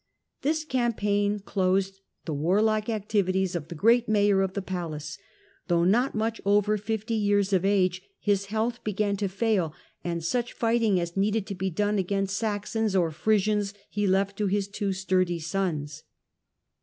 This campaign closed the warlike activities of the jreat Mayor of the Palace. Though not much over ifty years of age, his health began to fail, and such ghting as needed to be done against Saxons or Frisians Le left to his two sturdy sons.